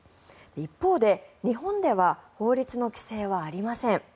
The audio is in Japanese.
一方で、日本では法律の規制はありません。